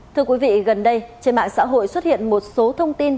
thưa quý vị gần đây trên mạng xã hội xuất hiện một số thông tin